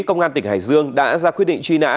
công an tỉnh hải dương đã ra quyết định truy nã